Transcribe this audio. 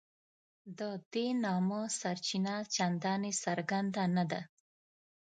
د دې نامه سرچینه چنداني څرګنده نه ده.